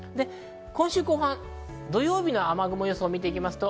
今週後半、土曜日の雨雲予想を見ていきます。